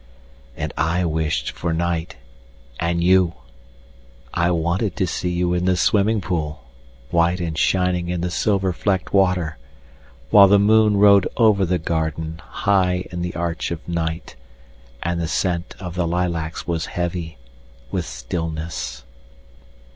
And I wished for night and you. I wanted to see you in the swimming pool, White and shining in the silver flecked water. While the moon rode over the garden, High in the arch of night, And the scent of the lilacs was heavy with stillness.